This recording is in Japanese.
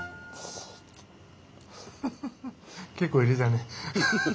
結構入れたね。